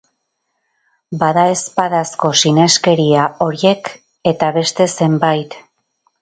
Badaezpadako sineskeria horiek eta beste zenbait.